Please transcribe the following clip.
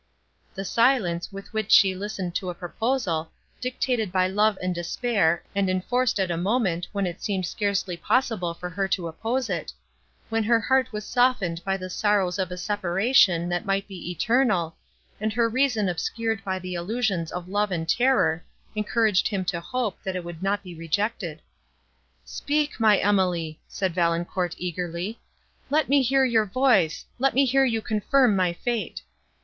The silence, with which she listened to a proposal, dictated by love and despair, and enforced at a moment, when it seemed scarcely possible for her to oppose it;—when her heart was softened by the sorrows of a separation, that might be eternal, and her reason obscured by the illusions of love and terror, encouraged him to hope, that it would not be rejected. "Speak, my Emily!" said Valancourt eagerly, "let me hear your voice, let me hear you confirm my fate."